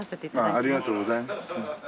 ありがとうございます。